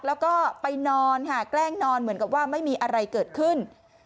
แล้วก็ไปนอนค่ะแกล้งนอนเหมือนกับว่าไม่มีอะไรเกิดขึ้น